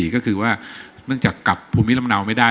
ก็คือว่าเนื่องจากกลับภูมิลำเนาไม่ได้